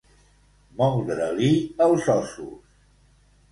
Moldre-li els ossos.